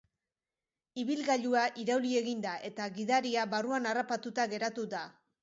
Ibilgailua irauli egin da, eta gidaria barruan harrapatuta geratu da.